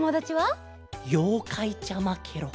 ようかいちゃまケロ。